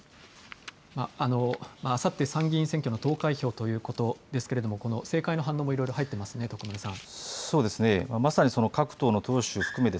あさって参議院選挙の投開票ということですけれどこの政界の反応もいろいろ入っていますね徳丸さん。